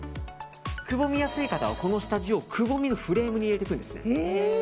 くぼみやすい方は、この下地をくぼみのフレームに入れていくんです。